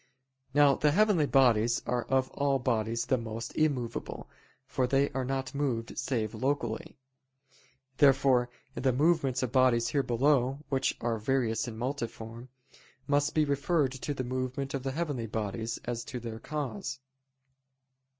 Now the heavenly bodies are of all bodies the most immovable, for they are not moved save locally. Therefore the movements of bodies here below, which are various and multiform, must be referred to the movement of the heavenly bodies, as to their cause.